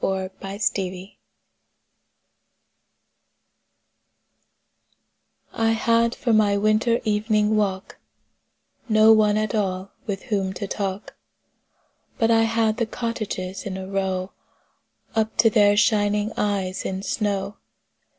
Good Hours I HAD for my winter evening walk No one at all with whom to talk, But I had the cottages in a row Up to their shining eyes in snow.